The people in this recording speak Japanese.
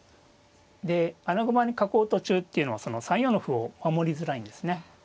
で穴熊に囲う途中っていうのは３四の歩を守りづらいんですね。